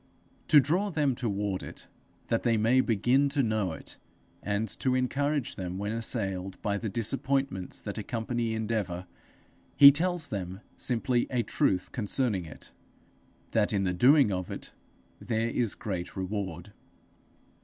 To draw them toward it that they may begin to know it, and to encourage them when assailed by the disappointments that accompany endeavour, he tells them simply a truth concerning it that in the doing of it, there is great reward.